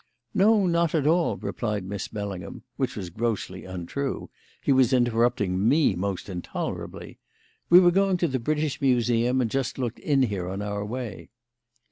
"No, not at all," replied Miss Bellingham (which was grossly untrue; he was interrupting me most intolerably); "we were going to the British Museum and just looked in here on our way."